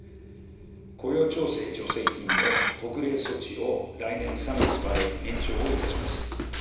雇用調整助成金の特例措置を来年３月まで延長をいたします。